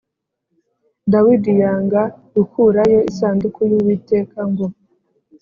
Dawidi yanga gukurayo isanduku y Uwiteka ngo